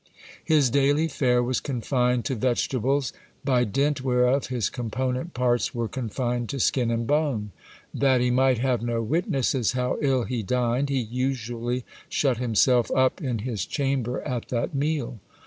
His daily fare was confined to vegetables, by dint whereof his component parts were confined to skin and bone. That he might have no witnesses how ill he dined, he usually shut himself up in his chamber at that meal.